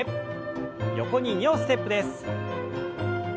横に２歩ステップです。